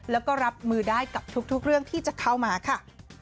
แล้วก็รับมือได้กับทุกเรื่องที่จะเข้ามาค่ะ